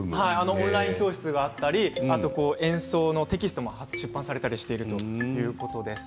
オンライン教室があったり演奏のテキストも出版されたりしているということです。